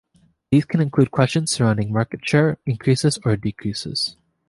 These can include questions surrounding market share increases or decreases.